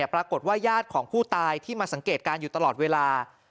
ปรากฏว่าญาติของผู้ตายที่มาสังเกตการณ์อยู่ตลอดเวลา